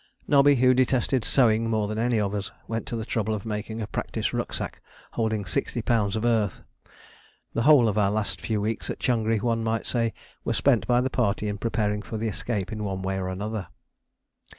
Nobby, who detested sewing more than any of us, went to the trouble of making a practice rucksack holding sixty pounds of earth. The whole of our last few weeks at Changri, one may say, were spent by the party in preparing for the escape in one way or another.